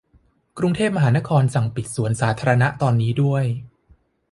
กรุงเทพมหานครสั่งปิดสวนสาธารณะตอนนี้ด้วย